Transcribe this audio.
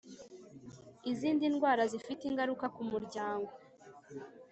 Izindi ndwara zifite ingaruka ku muryango